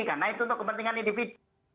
karena itu untuk kepentingan individu